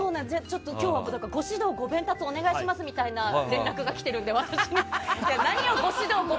今日はご指導ご鞭撻をお願いしますみたいな連絡が来ているので、私に。